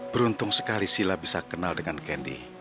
beruntung sekali sila bisa kenal dengan kendi